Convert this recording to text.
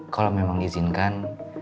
kalau memang izinkan